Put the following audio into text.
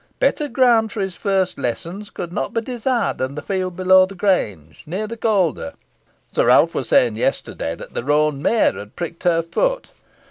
Better ground for his first lessons could not be desired than the field below the grange, near the Calder. Sir Ralph was saying yesterday, that the roan mare had pricked her foot.